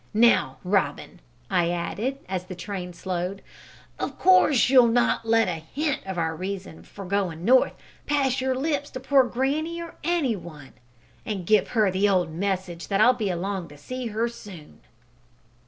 Now. Robin," I added, as the train slowed, "of course you'll not let a hint of our reason for going north pass your lips to poor granny or any one; and give her the old message, that I'll be along to see her soon."